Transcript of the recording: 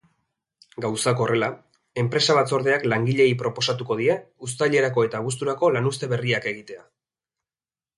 Gauzak horrela, enpresa-batzordeak langileei proposatuko die uztailerako eta abuzturako lanuzte berriak egitea.